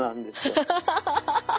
アハハハハ！